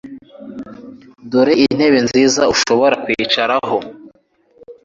Dore intebe nziza ushobora kwicaraho.